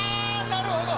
なるほど。